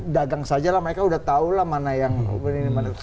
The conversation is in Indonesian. dagang saja lah mereka sudah tahu lah mana yang ini ini mana